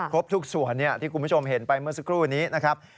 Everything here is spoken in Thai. ครบทุกส่วนที่คุณผู้ชมเห็นไปเมื่อสักครู่นี้นะครับ